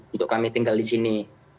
untuk kami tinggal di sini